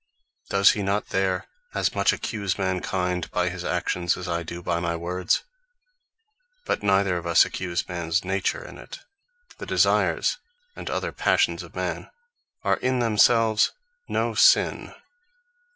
Does he not there as much accuse mankind by his actions, as I do by my words? But neither of us accuse mans nature in it. The Desires, and other Passions of man, are in themselves no Sin.